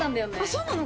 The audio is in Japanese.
そうなの？